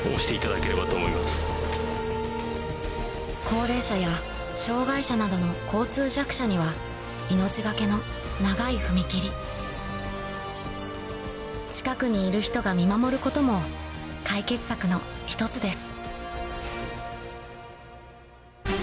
高齢者や障がい者などの交通弱者には命懸けの長い踏切近くにいる人が見守ることも解決策の１つです